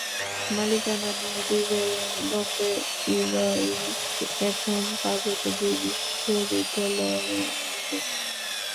মালিকানা নিয়ে দুই ভাইয়ের দ্বন্দ্বে ইবাইস এখন কার্যত দুটি বিশ্ববিদ্যালয় হয়ে গেছে।